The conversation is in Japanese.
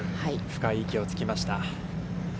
深い息をつきました。